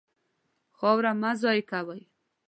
خاوره مه ضایع کوئ.